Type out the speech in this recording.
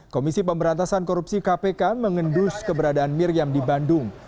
komisi pemberantasan korupsi kpk mengendus keberadaan miriam di bandung